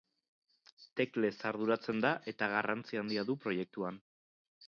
Teklez arduratzen da, eta garrantzi handia du proiektuan.